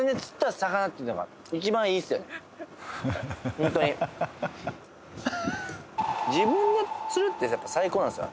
本当に自分で釣るってやっぱ最高なんですよ